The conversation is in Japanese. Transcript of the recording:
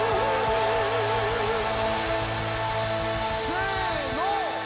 せの！